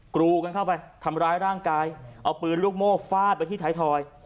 กรูกันเข้าไปทำร้ายร่างกายเอาปืนลูกโม่ฟาดไปที่ไทยทอย